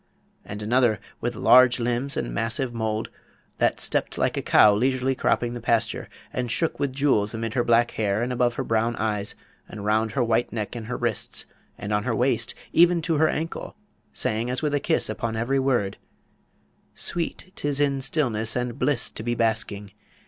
And another, with large limbs and massive mould, that stepped like a cow leisurely cropping the pasture, and shook with jewels amid her black hair and above her brown eyes, and round her white neck and her wrists, and on her waist, even to her ankle, sang as with a kiss upon every word: Sweet 'tis in stillness and bliss to be basking!